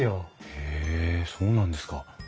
へえそうなんですか。